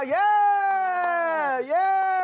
เย้